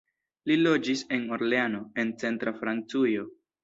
Li loĝis en Orleano, en centra Francujo.